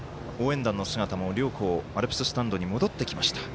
こうして応援団の姿も両校、アルプススタンドに戻ってきました。